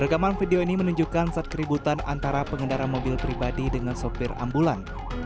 rekaman video ini menunjukkan saat keributan antara pengendara mobil pribadi dengan sopir ambulan